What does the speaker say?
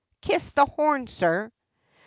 'Kiss the horn, sir!